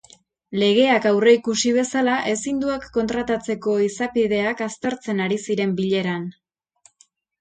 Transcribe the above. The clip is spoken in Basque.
Legeak aurrikusi bezala ezinduak kontratatzeko izapideak aztertzen ari ziren bileran.